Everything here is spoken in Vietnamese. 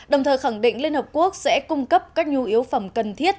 đồng thời khẳng định liên hợp quốc sẽ cung cấp các nhu yếu phẩm cần thiết